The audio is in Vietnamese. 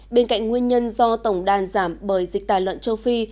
bên cạnh nguyên nhân do tổng đàn giảm bởi dịch tả lợn châu phi